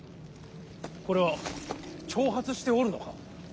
これは挑発しておるのか。